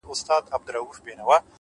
• اوس خو رڼاگاني كيسې نه كوي؛